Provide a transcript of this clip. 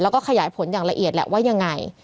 แล้วก็ขยายผลอย่างละเอียดแหละว่ายังไง